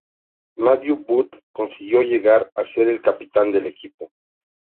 Matthew Booth consiguió llegar a ser el capitán del equipo.